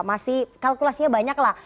masih kalkulasinya banyak lah